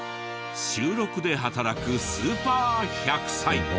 週６で働くスーパー１００歳！